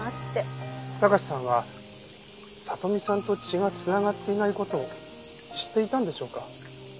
貴史さんは里美さんと血が繋がっていない事を知っていたんでしょうか？